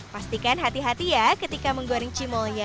pastikan hati hati ya ketika menggoreng cimolnya